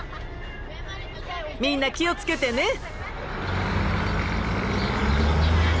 みんな気を付けてね。